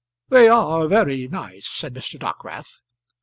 "They are very nice," said Mr. Dockwrath.